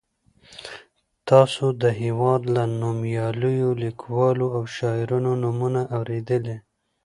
تاسو د هېواد له نومیالیو لیکوالو او شاعرانو نومونه اورېدلي.